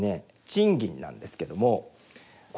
賃金なんですけどもこちら。